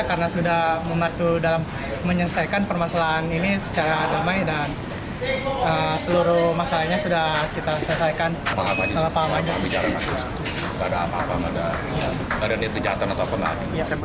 karena sudah membantu dalam menyelesaikan permasalahan ini secara damai dan seluruh masalahnya sudah kita selesaikan